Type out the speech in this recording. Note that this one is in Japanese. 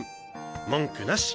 文句なし！